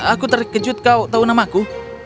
aku terkejut kau tahu namaku